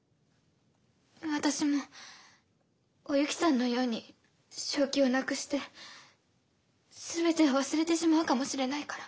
私もお雪さんのように正気をなくして全てを忘れてしまうかもしれないから。